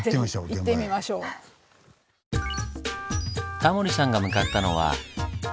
タモリさんが向かったのは鬼